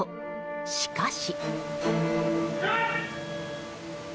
しかし。